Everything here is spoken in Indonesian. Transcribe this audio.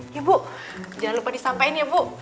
ya bu jangan lupa disampain ya bu